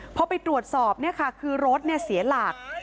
พอไปตรวจสอบนะคะคือรถเนี่ยเสียหลาก